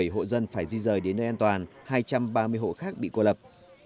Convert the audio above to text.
hai trăm một mươi bảy hộ dân phải di rời đến nơi an toàn hai trăm ba mươi hộ khác bị cô lập